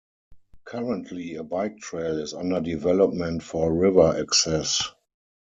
Currently a bike trail is under development for river access.